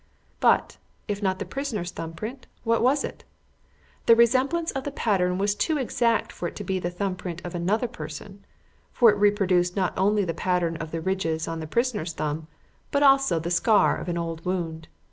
"But, if not the prisoner's thumb print, what was it? The resemblance of the pattern was too exact for it to be the thumb print of another person, for it reproduced not only the pattern of the ridges on the prisoner's thumb, but also the scar of an old wound.